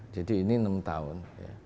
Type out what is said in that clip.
jadi ini enam tahun